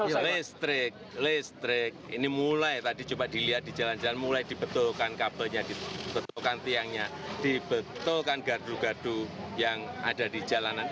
listrik listrik ini mulai tadi coba dilihat di jalan jalan mulai dibetulkan kabelnya dibetulkan tiangnya dibetulkan gardu gardu yang ada di jalanan